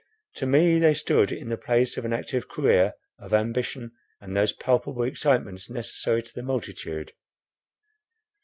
To me they stood in the place of an active career, of ambition, and those palpable excitements necessary to the multitude.